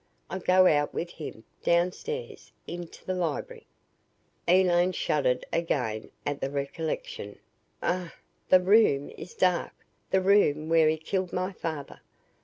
I go out with him, downstairs, into the library." Elaine shuddered again at the recollection. "Ugh! The room is dark, the room where he killed my father.